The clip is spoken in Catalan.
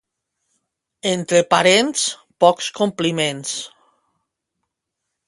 Entre parents, pocs compliments.